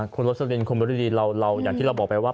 คุณโรสลินคุณบริดีเราอย่างที่เราบอกไปว่า